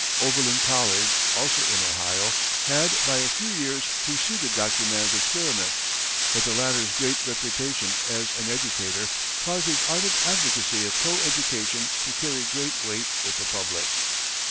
Oberlin College, also in Ohio, had by a few years preceded Dr. Mann's experiment, but the latter's great reputation as an educator caused his ardent advocacy of co education to carry great weight with the public.